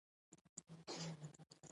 اوبه د پاکوالي سره ایمان ته لاره جوړوي.